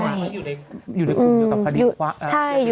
ใช่อยู่ในคุมอยู่กับคดีขวะ